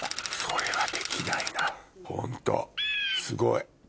それはできないなホントすごい。